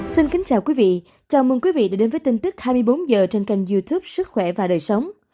xin kính chào quý vị chào mừng quý vị đã đến với tin tức hai mươi bốn h trên kênh youtube sức khỏe và đời sống